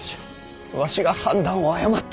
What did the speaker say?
わしが判断を誤った。